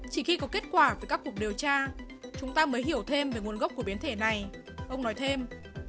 chỉ khi có kết quả với các cuộc điều tra chúng ta mới hiểu thêm về nguồn gốc của biến thể này ông nói thêm